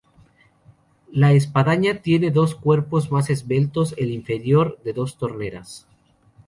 La espadaña tiene dos cuerpos, más esbelto el inferior, de dos troneras.